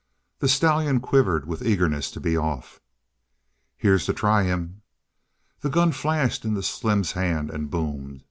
The stallion quivered with eagerness to be off. "Here's to try him." The gun flashed into Slim's hand and boomed.